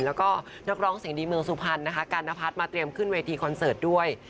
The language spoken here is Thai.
แล้วก็นักร้องเสียงดีเมืองสุพรรณนะคะการนพัฒน์มาเตรียมขึ้นเวทีคอนเสิร์ตด้วย